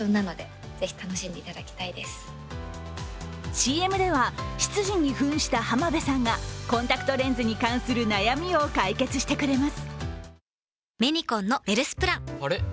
ＣＭでは執事にふんした浜辺さんがコンタクトレンズに関する悩みを解決してくれます。